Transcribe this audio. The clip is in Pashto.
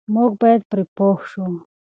موږ بايد پرې پوه شو.